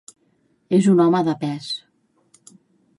És un home de pes.